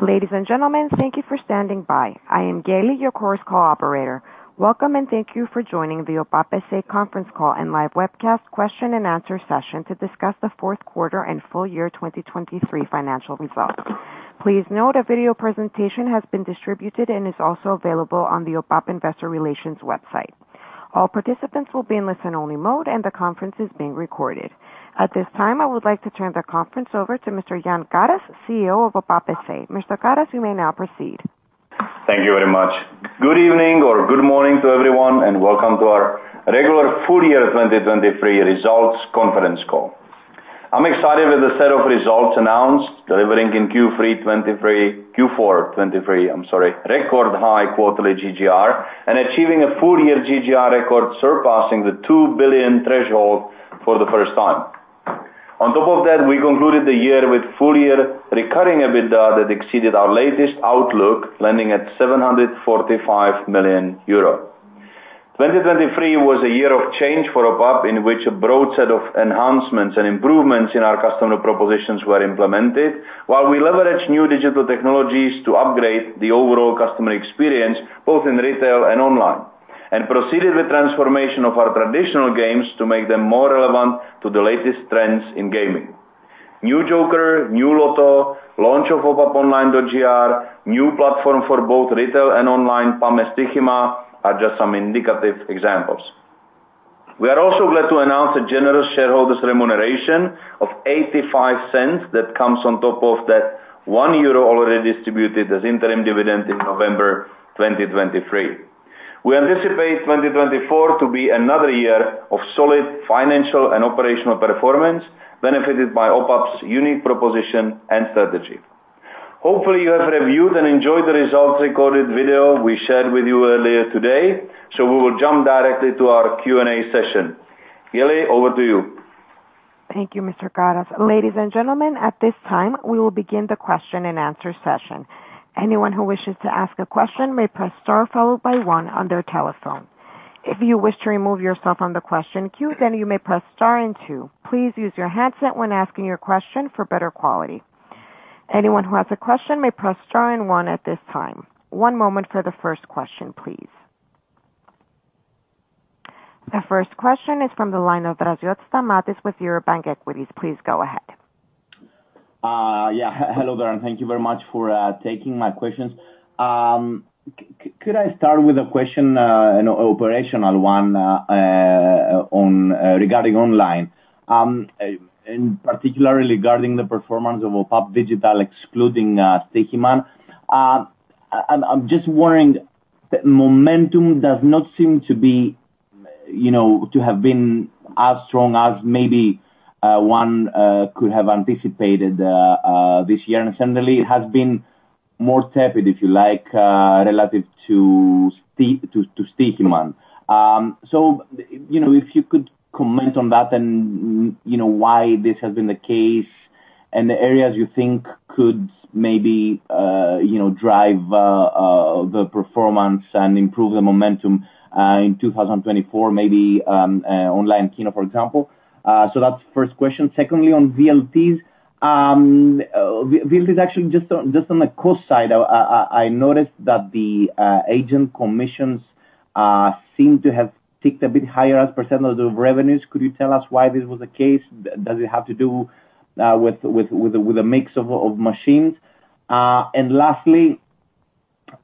Ladies and gentlemen, thank you for standing by. I am Kelly, your call coordinator. Welcome, and thank you for joining the OPAP S.A. conference call and live webcast question-and-answer session to discuss the fourth quarter and full year 2023 financial results. Please note a video presentation has been distributed and is also available on the OPAP Investor Relations website. All participants will be in listen-only mode, and the conference is being recorded. At this time, I would like to turn the conference over to Mr. Jan Karas, CEO of OPAP S.A. Mr. Karas, you may now proceed. Thank you very much. Good evening or good morning to everyone, and welcome to our regular full year 2023 results conference call. I'm excited with the set of results announced, delivering in Q3 2023 Q4 2023, I'm sorry, record high quarterly GGR and achieving a full year GGR record surpassing the 2 billion threshold for the first time. On top of that, we concluded the year with full year recurring EBITDA that exceeded our latest outlook, landing at 745 million euro. 2023 was a year of change for OPAP in which a broad set of enhancements and improvements in our customer propositions were implemented, while we leveraged new digital technologies to upgrade the overall customer experience both in retail and online, and proceeded with transformation of our traditional games to make them more relevant to the latest trends in gaming. New Joker, new Lotto, launch of Opaponline.gr, new platform for both retail and online, Pame Stoixima, are just some indicative examples. We are also glad to announce a generous shareholders' remuneration of 0.85 that comes on top of that 1 euro already distributed as interim dividend in November 2023. We anticipate 2024 to be another year of solid financial and operational performance benefited by OPAP's unique proposition and strategy. Hopefully, you have reviewed and enjoyed the results recorded video we shared with you earlier today, so we will jump directly to our Q&A session. Kelly, over to you. Thank you, Mr. Karas. Ladies and gentlemen, at this time, we will begin the question-and-answer session. Anyone who wishes to ask a question may press star followed by one on their telephone. If you wish to remove yourself from the question queue, then you may press star and two. Please use your handset when asking your question for better quality. Anyone who has a question may press star and one at this time. One moment for the first question, please. The first question is from the line of Stamatis Draziotis with Eurobank Equities. Please go ahead. Yeah. Hello, Darren. Thank you very much for taking my questions. Could I start with a question, an operational one, regarding online, and particularly regarding the performance of OPAP Digital excluding Stoiximan? I'm just wondering, momentum does not seem to have been as strong as maybe one could have anticipated this year. And certainly, it has been more tepid, if you like, relative to Stoiximan. So if you could comment on that and why this has been the case and the areas you think could maybe drive the performance and improve the momentum in 2024, maybe online Kino, for example. So that's the first question. Secondly, on VLTs, VLTs actually just on the cost side, I noticed that the agent commissions seem to have ticked a bit higher as percentage of revenues. Could you tell us why this was the case? Does it have to do with a mix of machines? Lastly,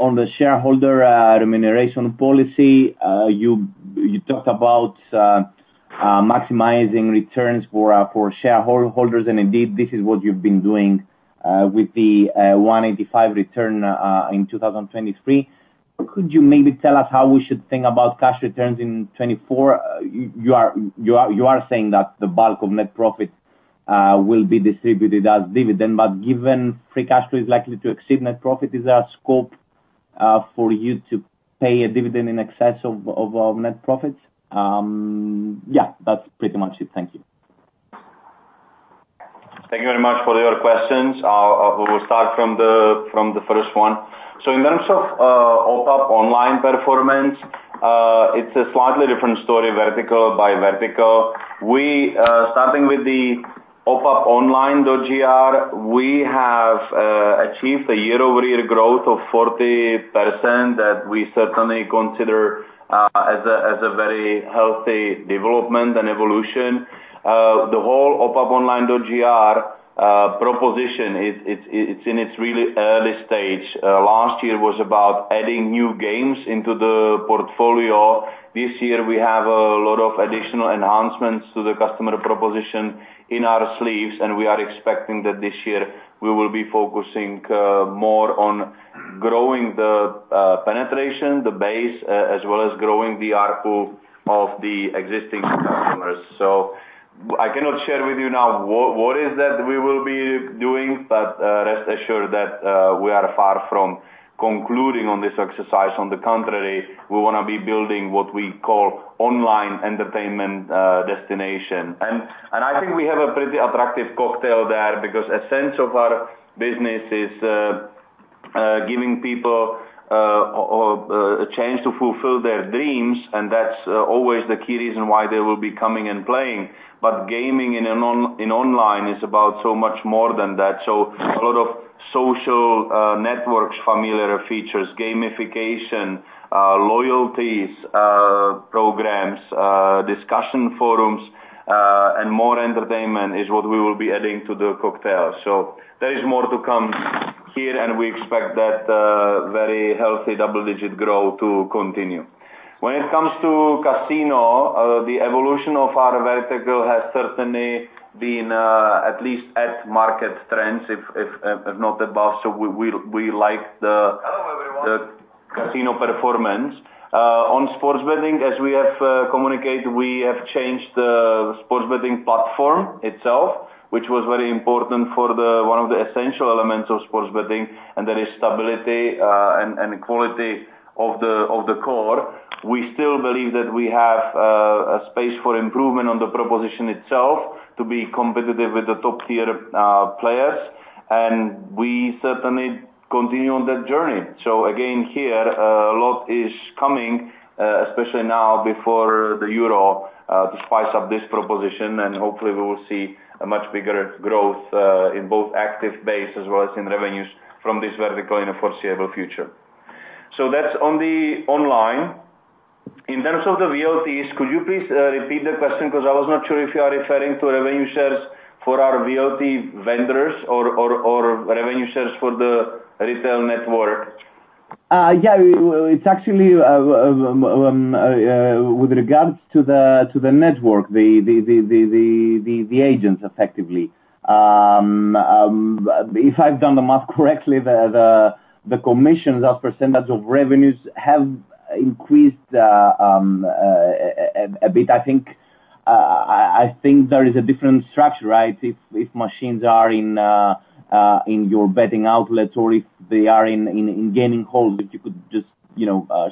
on the shareholder remuneration policy, you talked about maximizing returns for shareholders, and indeed, this is what you've been doing with the 185% return in 2023. Could you maybe tell us how we should think about cash returns in 2024? You are saying that the bulk of net profit will be distributed as dividend, but given Free Cash Flow is likely to exceed net profit, is there a scope for you to pay a dividend in excess of net profits? Yeah, that's pretty much it. Thank you. Thank you very much for your questions. We will start from the first one. So in terms of OPAPonline.gr performance, it's a slightly different story, vertical by vertical. Starting with the OPAPonline.gr, we have achieved a year-over-year growth of 40% that we certainly consider as a very healthy development and evolution. The whole OPAPonline.gr proposition, it's in its really early stage. Last year was about adding new games into the portfolio. This year, we have a lot of additional enhancements to the customer proposition up our sleeves, and we are expecting that this year, we will be focusing more on growing the penetration, the base, as well as growing the ARPU of the existing customers. So I cannot share with you now what is that we will be doing, but rest assured that we are far from concluding on this exercise. On the contrary, we want to be building what we call online entertainment destination. And I think we have a pretty attractive cocktail there because a sense of our business is giving people a chance to fulfill their dreams, and that's always the key reason why they will be coming and playing. But gaming in online is about so much more than that. So a lot of social networks, familiar features, gamification, loyalties programs, discussion forums, and more entertainment is what we will be adding to the cocktail. So there is more to come here, and we expect that very healthy double-digit growth to continue. When it comes to casino, the evolution of our vertical has certainly been at least at market trends, if not above. So we like the. Hello, everyone. Casino performance. On sports betting, as we have communicated, we have changed the sports betting platform itself, which was very important for one of the essential elements of sports betting, and that is stability and quality of the core. We still believe that we have a space for improvement on the proposition itself to be competitive with the top-tier players, and we certainly continue on that journey. So again, here, a lot is coming, especially now before the Euro to spice up this proposition, and hopefully, we will see a much bigger growth in both active base as well as in revenues from this vertical in a foreseeable future. So that's on the online. In terms of the VLTs, could you please repeat the question because I was not sure if you are referring to revenue shares for our VLT vendors or revenue shares for the retail network? Yeah. It's actually with regards to the network, the agents effectively. If I've done the math correctly, the commissions as percentage of revenues have increased a bit. I think there is a different structure, right, if machines are in your betting outlets or if they are in gaming halls. If you could just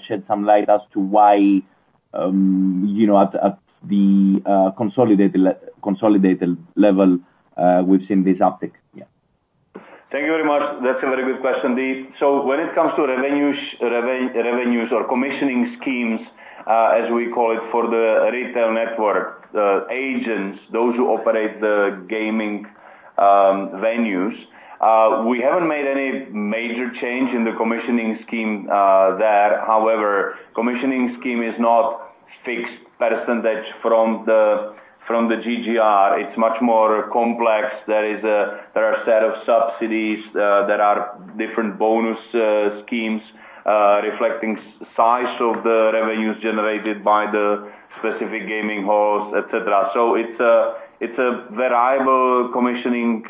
shed some light as to why at the consolidated level, we've seen this uptick. Yeah. Thank you very much. That's a very good question, Deep. So when it comes to revenues or commissioning schemes, as we call it for the retail network, the agents, those who operate the gaming venues, we haven't made any major change in the commissioning scheme there. However, commissioning scheme is not fixed percentage from the GGR. It's much more complex. There are a set of subsidies. There are different bonus schemes reflecting size of the revenues generated by the specific gaming halls, etc. So it's a variable commissioning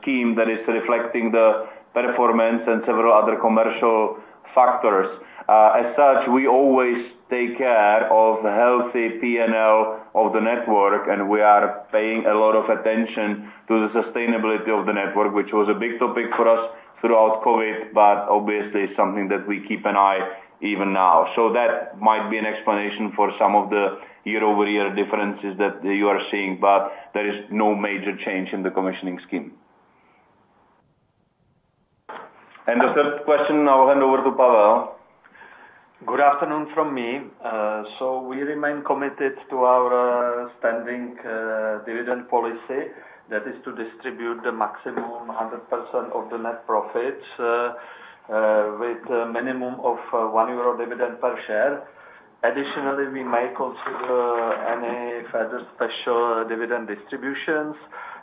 scheme that is reflecting the performance and several other commercial factors. As such, we always take care of healthy P&L of the network, and we are paying a lot of attention to the sustainability of the network, which was a big topic for us throughout COVID but obviously something that we keep an eye even now. So that might be an explanation for some of the year-over-year differences that you are seeing, but there is no major change in the commissioning scheme. The third question, I will hand over to Pavel. Good afternoon from me. So we remain committed to our standing dividend policy that is to distribute the maximum 100% of the net profits with a minimum of 1 euro dividend per share. Additionally, we may consider any further special dividend distributions.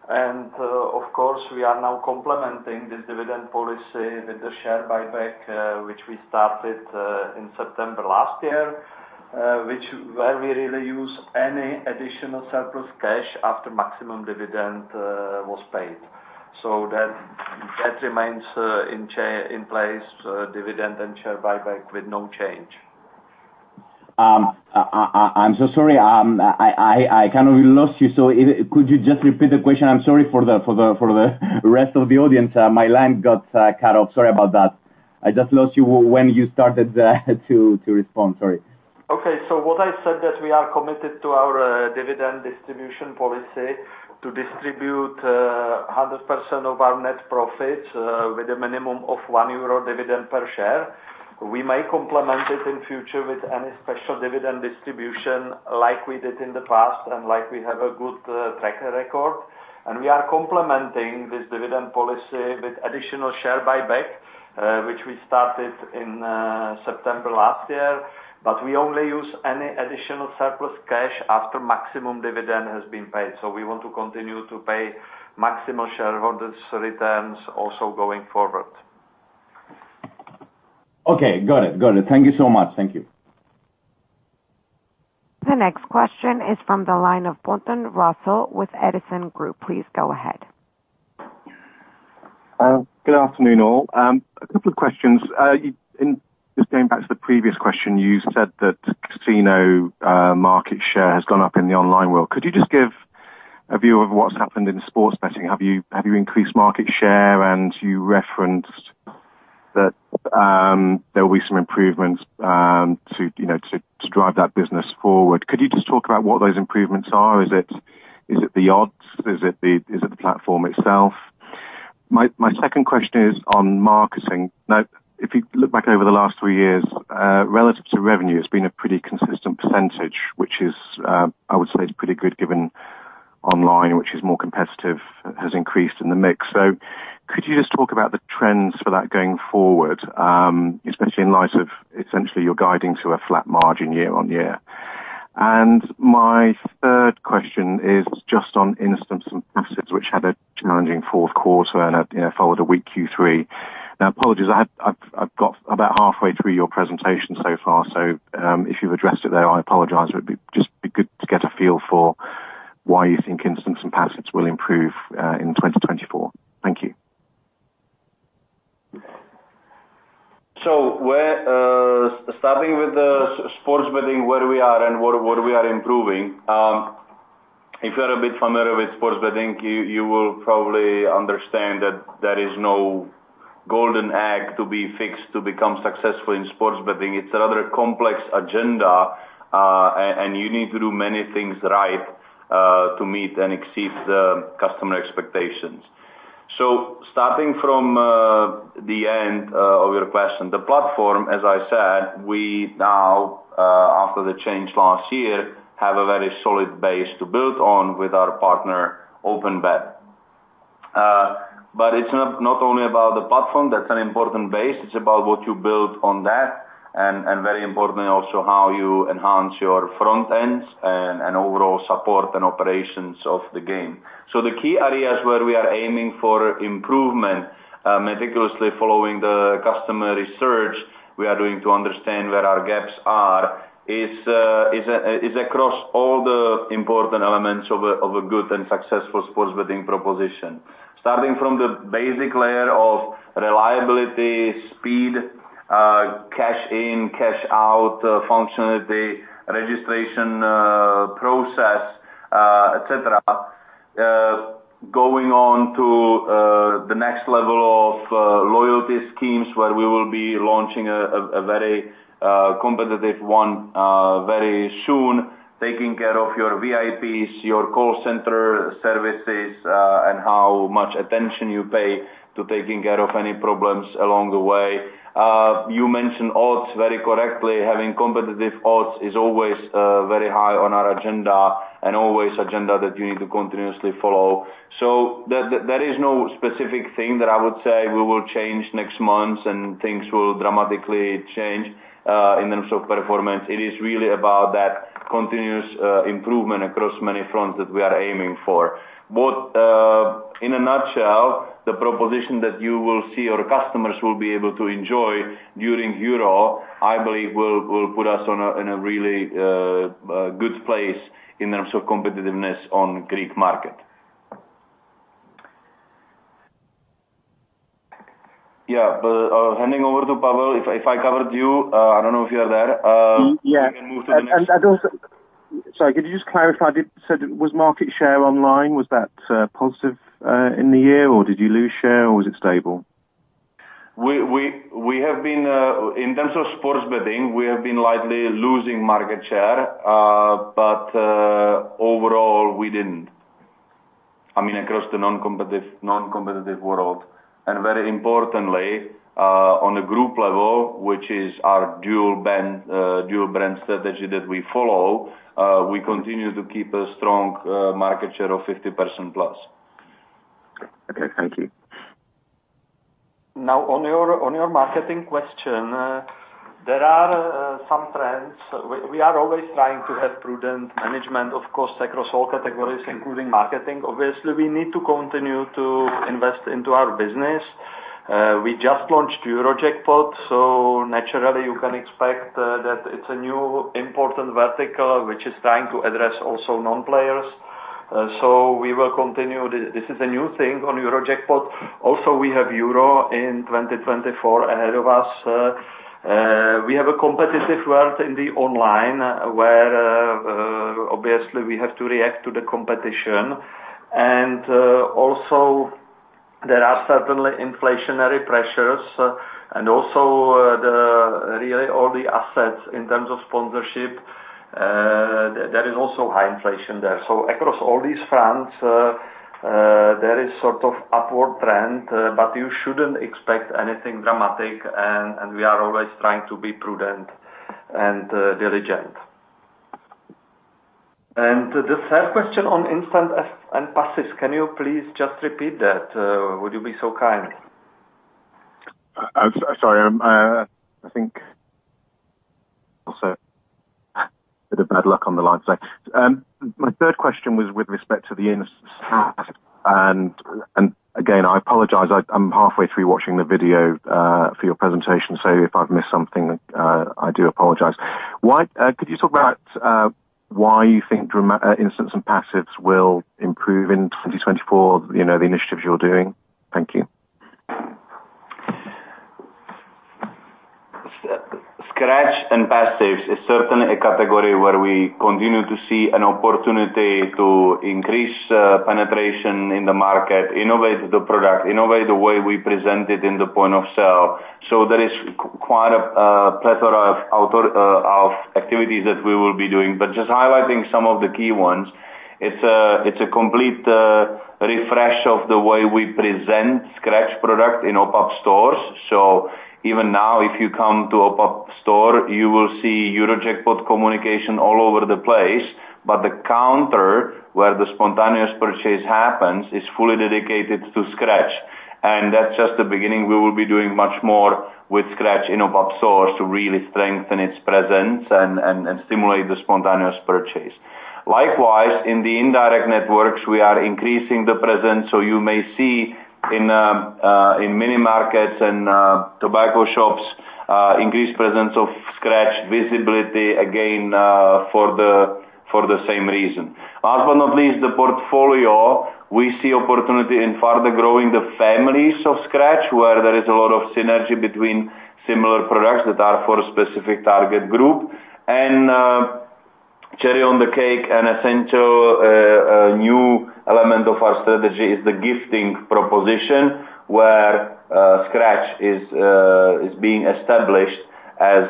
And of course, we are now complementing this dividend policy with the share buyback, which we started in September last year, where we really use any additional surplus cash after maximum dividend was paid. So that remains in place, dividend and share buyback with no change. I'm so sorry. I kind of lost you. So could you just repeat the question? I'm sorry for the rest of the audience. My line got cut off. Sorry about that. I just lost you when you started to respond. Sorry. Okay. So what I said that we are committed to our dividend distribution policy to distribute 100% of our net profits with a minimum of 1 euro dividend per share. We may complement it in future with any special dividend distribution like we did in the past and like we have a good track record. And we are complementing this dividend policy with additional share buyback, which we started in September last year, but we only use any additional surplus cash after maximum dividend has been paid. So we want to continue to pay maximum shareholders' returns also going forward. Okay. Got it. Got it. Thank you so much. Thank you. The next question is from the line of Russell Pointon with Edison Group. Please go ahead. Good afternoon, all. A couple of questions. Just going back to the previous question, you said that casino market share has gone up in the online world. Could you just give a view of what's happened in sports betting? Have you increased market share? And you referenced that there will be some improvements to drive that business forward. Could you just talk about what those improvements are? Is it the odds? Is it the platform itself? My second question is on marketing. Now, if you look back over the last three years, relative to revenue, it's been a pretty consistent percentage, which I would say is pretty good given online, which is more competitive, has increased in the mix. So could you just talk about the trends for that going forward, especially in light of essentially your guiding to a flat margin year-on-year? My third question is just on Instant and Passives, which had a challenging fourth quarter and followed a weak Q3. Now, apologies, I've got about halfway through your presentation so far. So if you've addressed it there, I apologize. It would just be good to get a feel for why you think Instant and Passives will improve in 2024. Thank you. So starting with the sports betting, where we are and what we are improving, if you are a bit familiar with sports betting, you will probably understand that there is no golden egg to be fixed to become successful in sports betting. It's a rather complex agenda, and you need to do many things right to meet and exceed the customer expectations. So starting from the end of your question, the platform, as I said, we now, after the change last year, have a very solid base to build on with our partner, OpenBet. But it's not only about the platform. That's an important base. It's about what you build on that and, very importantly, also how you enhance your front ends and overall support and operations of the game. So the key areas where we are aiming for improvement, meticulously following the customer research we are doing to understand where our gaps are, is across all the important elements of a good and successful sports betting proposition, starting from the basic layer of reliability, speed, cash in, cash out, functionality, registration process, etc., going on to the next level of loyalty schemes where we will be launching a very competitive one very soon, taking care of your VIPs, your call center services, and how much attention you pay to taking care of any problems along the way. You mentioned odds very correctly. Having competitive odds is always very high on our agenda and always an agenda that you need to continuously follow. So there is no specific thing that I would say we will change next month, and things will dramatically change in terms of performance. It is really about that continuous improvement across many fronts that we are aiming for. In a nutshell, the proposition that you will see or customers will be able to enjoy during Euro, I believe, will put us in a really good place in terms of competitiveness on Greek market. Yeah. Handing over to Pavel. If I covered you, I don't know if you are there. You can move to the next. Yeah. Sorry. Could you just clarify? You said it was market share online. Was that positive in the year, or did you lose share, or was it stable? In terms of sports betting, we have been slightly losing market share, but overall, we didn't, I mean, across the non-competitive world. Very importantly, on the group level, which is our dual-brand strategy that we follow, we continue to keep a strong market share of 50%+. Okay. Thank you. Now, on your marketing question, there are some trends. We are always trying to have prudent management, of course, across all categories, including marketing. Obviously, we need to continue to invest into our business. We just launched Eurojackpot, so naturally, you can expect that it's a new important vertical, which is trying to address also non-players. So we will continue. This is a new thing on Eurojackpot. Also, we have Euro 2024 ahead of us. We have a competitive world in the online where, obviously, we have to react to the competition. And also, there are certainly inflationary pressures and also really all the assets in terms of sponsorship. There is also high inflation there. So across all these fronts, there is sort of upward trend, but you shouldn't expect anything dramatic. And we are always trying to be prudent and diligent. The third question on instant and passives, can you please just repeat that? Would you be so kind? Sorry. I think also a bit of bad luck on the line today. My third question was with respect to the Instant. And again, I apologize. I'm halfway through watching the video for your presentation, so if I've missed something, I do apologize. Could you talk about why you think Instant and Passives will improve in 2024, the initiatives you're doing? Thank you. Scratch and Passives is certainly a category where we continue to see an opportunity to increase penetration in the market, innovate the product, innovate the way we present it in the point of sale. So there is quite a plethora of activities that we will be doing. But just highlighting some of the key ones, it's a complete refresh of the way we present Scratch product in OPAP stores. So even now, if you come to OPAP store, you will see Eurojackpot communication all over the place. But the counter where the spontaneous purchase happens is fully dedicated to Scratch. And that's just the beginning. We will be doing much more with Scratch in OPAP stores to really strengthen its presence and stimulate the spontaneous purchase. Likewise, in the indirect networks, we are increasing the presence. So you may see in mini markets and tobacco shops increased presence of Scratch visibility, again, for the same reason. Last but not least, the portfolio, we see opportunity in further growing the families of Scratch where there is a lot of synergy between similar products that are for a specific target group. And cherry on the cake, an essential new element of our strategy is the gifting proposition where Scratch is being established as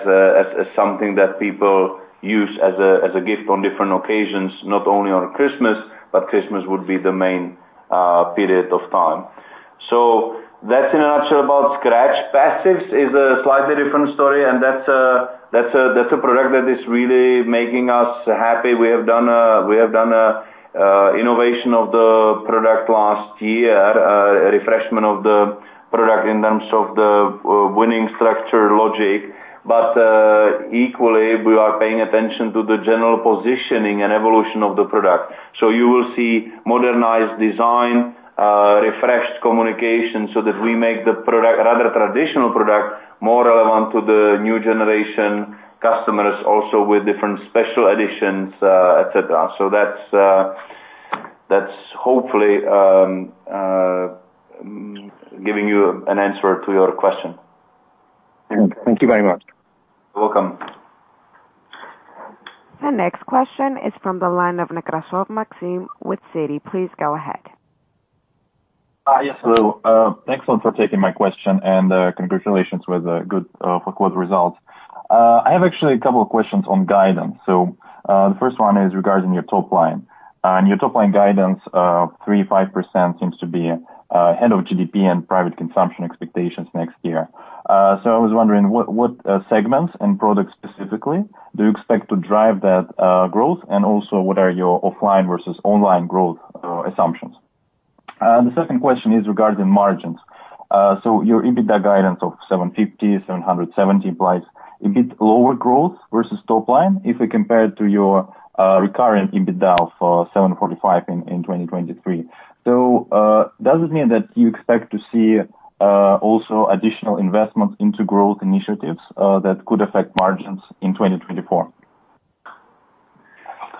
something that people use as a gift on different occasions, not only on Christmas, but Christmas would be the main period of time. So that's, in a nutshell, about Scratch. Passives is a slightly different story, and that's a product that is really making us happy. We have done an innovation of the product last year, a refreshment of the product in terms of the winning structure logic. But equally, we are paying attention to the general positioning and evolution of the product. So you will see modernized design, refreshed communication so that we make the product, rather traditional product, more relevant to the new generation customers, also with different special editions, etc. So that's, hopefully, giving you an answer to your question. Thank you very much. You're welcome. The next question is from the line of Nekrasov Maxim with Citi. Please go ahead. Yes. Hello. Thanks a lot for taking my question, and congratulations with good results. I have actually a couple of questions on guidance. So the first one is regarding your top line. And your top-line guidance, 3%-5%, seems to be ahead of GDP and private consumption expectations next year. So I was wondering, what segments and products specifically do you expect to drive that growth? And also, what are your offline versus online growth assumptions? The second question is regarding margins. So your EBITDA guidance of 750-770 implies a bit lower growth versus top line if we compare it to your recurring EBITDA of 745 in 2023. So does it mean that you expect to see also additional investments into growth initiatives that could affect margins in 2024?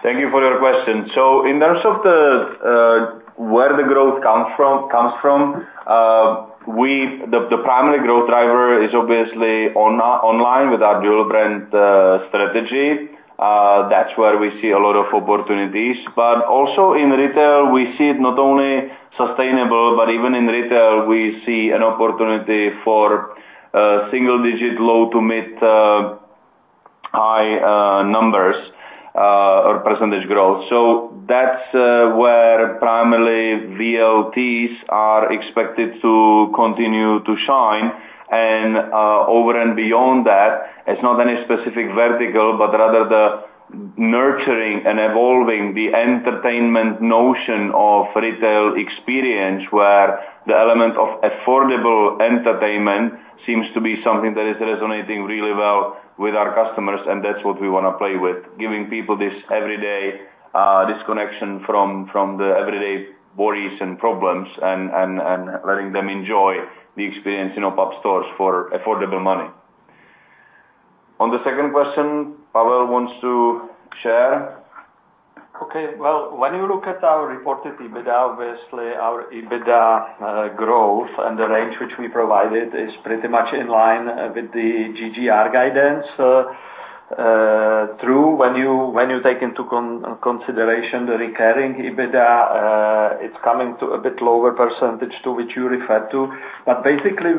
Thank you for your question. So in terms of where the growth comes from, the primary growth driver is obviously online with our dual-brand strategy. That's where we see a lot of opportunities. But also, in retail, we see it not only sustainable, but even in retail, we see an opportunity for single-digit low-to-mid-high numbers or percentage growth. So that's where primarily VLTs are expected to continue to shine. And over and beyond that, it's not any specific vertical, but rather the nurturing and evolving the entertainment notion of retail experience where the element of affordable entertainment seems to be something that is resonating really well with our customers. And that's what we want to play with, giving people this everyday disconnection from the everyday worries and problems and letting them enjoy the experience in OPAP stores for affordable money. On the second question, Pavel wants to share. Okay. Well, when you look at our reported EBITDA, obviously, our EBITDA growth and the range which we provided is pretty much in line with the GGR guidance. True, when you take into consideration the recurring EBITDA, it's coming to a bit lower percentage too, which you referred to. But basically,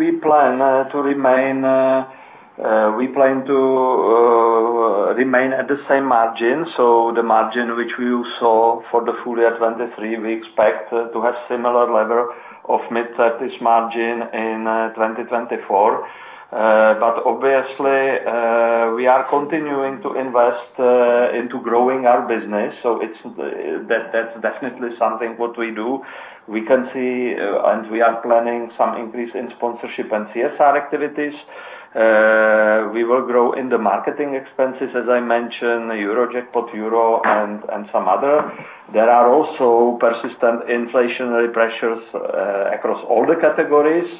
we plan to remain at the same margin. So the margin which we saw for the full year 2023, we expect to have similar level of mid-target margin in 2024. But obviously, we are continuing to invest into growing our business. So that's definitely something what we do. And we are planning some increase in sponsorship and CSR activities. We will grow in the marketing expenses, as I mentioned, Eurojackpot, Euro, and some other. There are also persistent inflationary pressures across all the categories.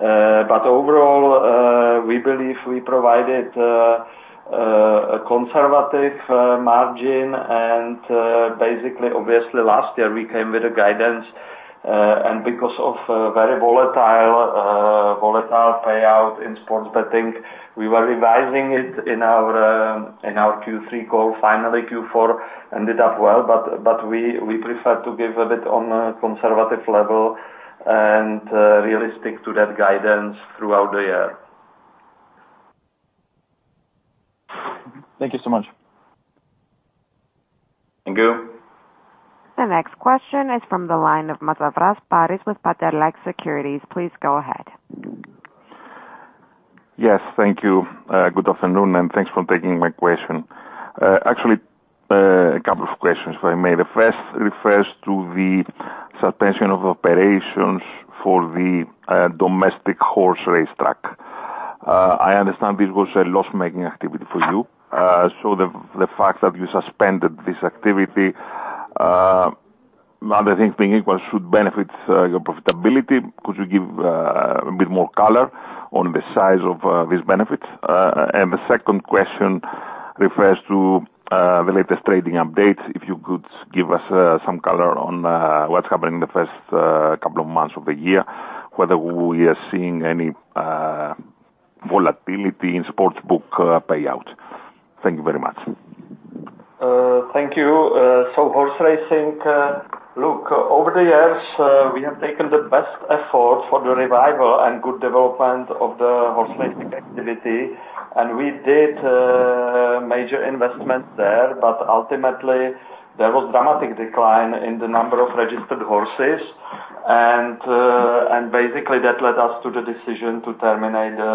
But overall, we believe we provided a conservative margin. Basically, obviously, last year, we came with a guidance. Because of very volatile payout in sports betting, we were revising it in our Q3 call, finally Q4, ended up well. We prefer to give a bit on a conservative level and realistic to that guidance throughout the year. Thank you so much. Thank you. The next question is from the line of Paris Mantzavras with Pantelakis Securities. Please go ahead. Yes. Thank you. Good afternoon, and thanks for taking my question. Actually, a couple of questions, if I may. The first refers to the suspension of operations for the domestic horse race track. I understand this was a loss-making activity for you. So the fact that you suspended this activity, other things being equal, should benefit your profitability. Could you give a bit more color on the size of these benefits? And the second question refers to the latest trading updates. If you could give us some color on what's happening in the first couple of months of the year, whether we are seeing any volatility in sportsbook payouts? Thank you very much. Thank you. So horse racing, look, over the years, we have taken the best effort for the revival and good development of the horse racing activity. And we did major investments there. But ultimately, there was dramatic decline in the number of registered horses. And basically, that led us to the decision to terminate the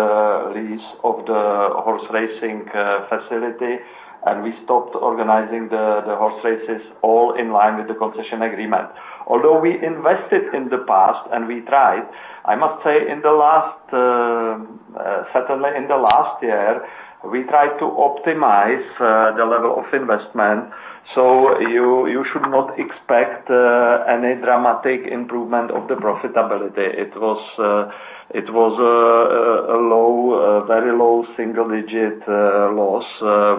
lease of the horse racing facility. And we stopped organizing the horse races all in line with the concession agreement. Although we invested in the past, and we tried, I must say, certainly in the last year, we tried to optimize the level of investment. So you should not expect any dramatic improvement of the profitability. It was a very low single-digit loss,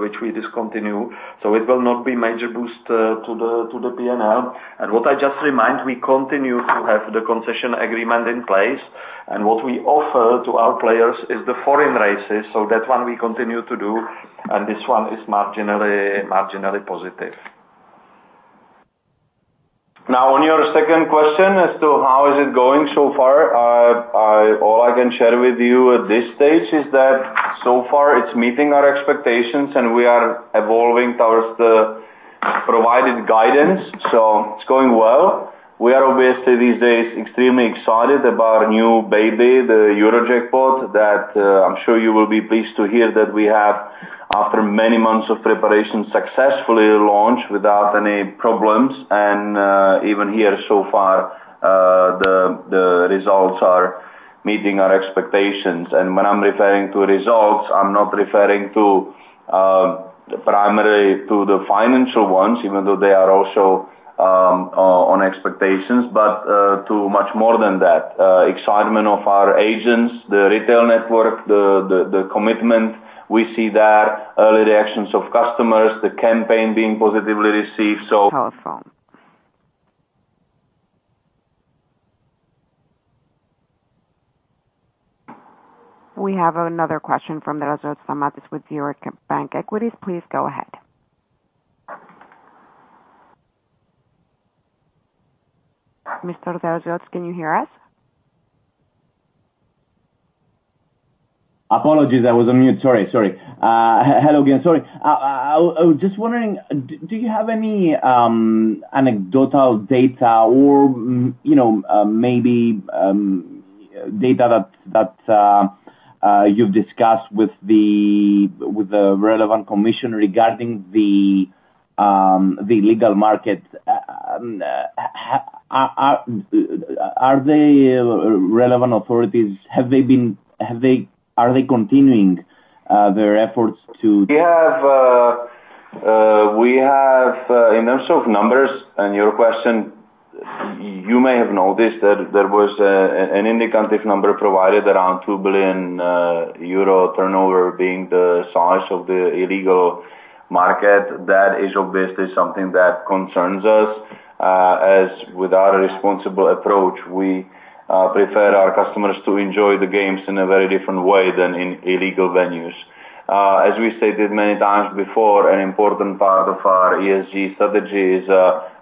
which we discontinue. So it will not be a major boost to the P&L. And what I just remind, we continue to have the concession agreement in place. What we offer to our players is the foreign races. That one, we continue to do. This one is marginally positive. Now, on your second question as to how is it going so far, all I can share with you at this stage is that so far, it's meeting our expectations, and we are evolving towards the provided guidance. It's going well. We are obviously, these days, extremely excited about new baby, the Eurojackpot that I'm sure you will be pleased to hear that we have, after many months of preparation, successfully launched without any problems. Even here so far, the results are meeting our expectations. When I'm referring to results, I'm not referring primarily to the financial ones, even though they are also on expectations, but to much more than that, excitement of our agents, the retail network, the commitment. We see that early reactions of customers, the campaign being positively received. So. Telephone. We have another question from Stamatis Draziotis with Eurobank Equities. Please go ahead. Mr. Draziotis, can you hear us? Apologies. I was on mute. Sorry. Sorry. Hello again. Sorry. I was just wondering, do you have any anecdotal data or maybe data that you've discussed with the relevant commission regarding the legal market? Are they relevant authorities? Are they continuing their efforts to? We have, in terms of numbers and your question, you may have noticed that there was an indicative number provided around 2 billion euro turnover being the size of the illegal market. That is obviously something that concerns us. Without a responsible approach, we prefer our customers to enjoy the games in a very different way than in illegal venues. As we stated many times before, an important part of our ESG strategy is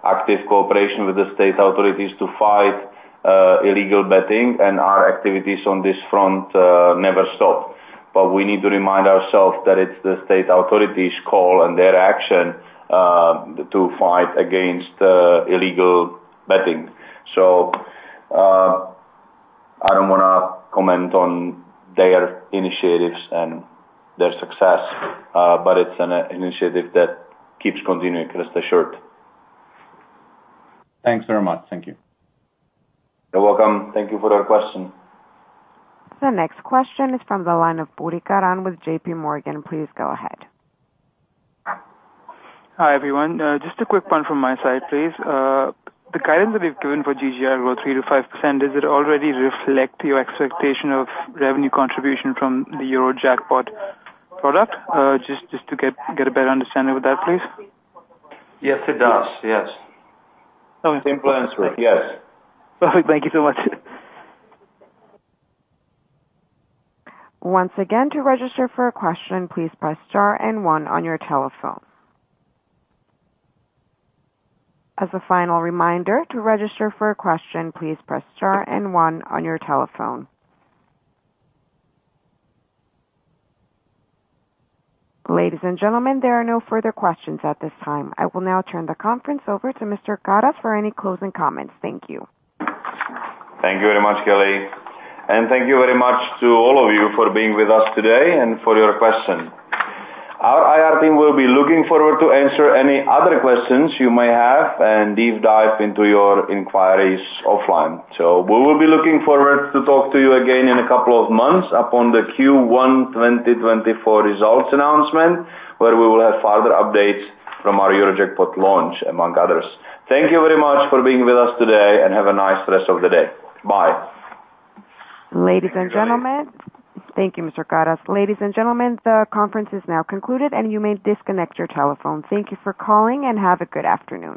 active cooperation with the state authorities to fight illegal betting. And our activities on this front never stop. But we need to remind ourselves that it's the state authorities' call and their action to fight against illegal betting. So I don't want to comment on their initiatives and their success. But it's an initiative that keeps continuing. Rest assured. Thanks very much. Thank you. You're welcome. Thank you for your question. The next question is from the line of Karan Puri with J.P. Morgan. Please go ahead. Hi, everyone. Just a quick one from my side, please. The guidance that we've given for GGR, growth 3%-5%, does it already reflect your expectation of revenue contribution from the Eurojackpot product? Just to get a better understanding of that, please. Yes, it does. Yes. Simple answer. Yes. Perfect. Thank you so much. Once again, to register for a question, please press star and 1 on your telephone. As a final reminder, to register for a question, please press star and 1 on your telephone. Ladies and gentlemen, there are no further questions at this time. I will now turn the conference over to Mr. Karas for any closing comments. Thank you. Thank you very much, Kelly. Thank you very much to all of you for being with us today and for your question. Our IR team will be looking forward to answering any other questions you may have and deep dive into your inquiries offline. We will be looking forward to talking to you again in a couple of months upon the Q1 2024 results announcement, where we will have further updates from our Eurojackpot launch, among others. Thank you very much for being with us today, and have a nice rest of the day. Bye. Ladies and gentlemen, thank you, Mr. Karas. Ladies and gentlemen, the conference is now concluded, and you may disconnect your telephone. Thank you for calling, and have a good afternoon.